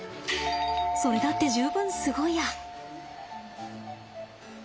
それだって十分すごいや。